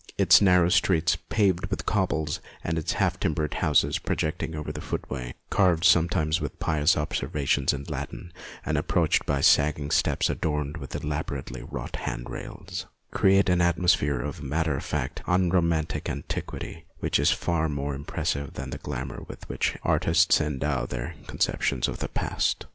Its narrow streets, paved with cobbles, and its half timbered houses projecting over the footway, carved sometimes with pious ob servations in Latin, and approached by sag ging steps adorned with elaborately wrought hand rails, create an atmosphere of matter of fact unromantic antiquity which is far more impressive than the glamour with which artists endow their conceptions of the past.